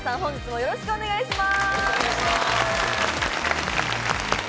よろしくお願いします。